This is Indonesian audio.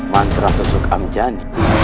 mantra susuk amjan